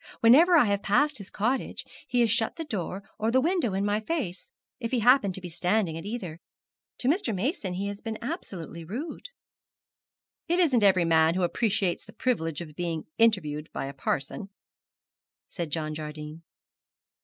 Whenever I have passed his cottage he has shut the door or the window in my face, if he happened to be standing at either. To Mr. Mason he has been absolutely rude.' 'It isn't every man who appreciates the privilege of being interviewed by a parson,' said John Jardine.